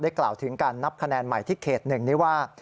ได้กล่าวถึงการนับคะแนนใหม่ที่เขตหนึ่งได้ว่า